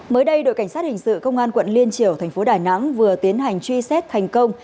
mới đây đội cảnh sát hình sự công an quận liên triều thành phố đà nẵng vừa tiến hành truy xét thành công